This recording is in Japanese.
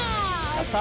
やった！